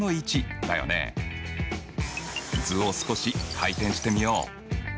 図を少し回転してみよう。